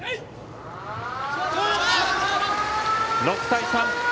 ６対３。